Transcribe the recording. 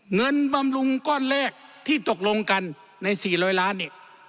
บำรุงก้อนแรกที่ตกลงกันใน๔๐๐ล้านเนี่ย